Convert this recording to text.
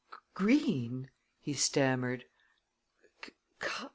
"Green!" he stammered.